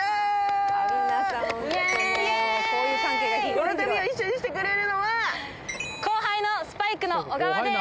この旅を一緒にしてくれるのは後輩のスパイクの小川です